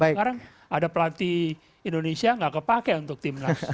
sekarang ada pelatih indonesia gak kepake untuk tim nas